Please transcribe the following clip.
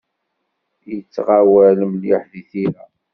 Yettɣawal mliḥ deg tira.